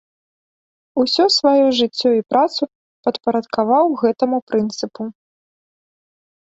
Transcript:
Усё сваё жыццё і працу падпарадкаваў гэтаму прынцыпу.